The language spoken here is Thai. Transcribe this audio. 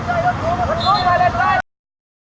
ในประเภทที่อื่นที่กรุง